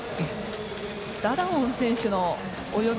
ダダオン選手の泳ぎ